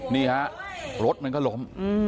นี่หัศวรรภ์รถมันก็ลม